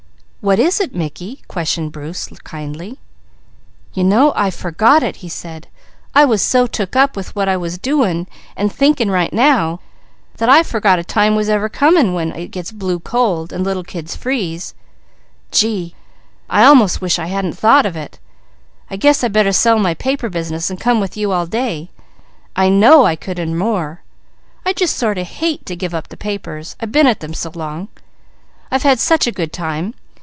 "What is it, Mickey?" questioned Bruce kindly. "You know I forgot it," he said. "I was so took up with what I was doing, and thinking right now, that I forgot a time ever was coming when it gets blue cold, and little kids freeze. Gee! I almost wish I hadn't thought of it. I guess I better sell my paper business, and come with you all day. I know I could earn more. I just sort of hate to give up the papers. I been at them so long. I've had such a good time.